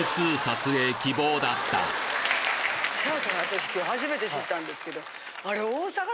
私今日初めて知ったんですけどあれ。